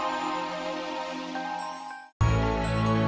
aku ke atas dulu